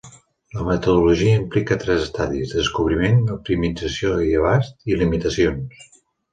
La metodologia implica tres estadis: descobriment, optimització i abast, i limitacions.